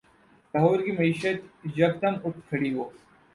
لاہور کی معیشت یکدم اٹھ کھڑی ہو۔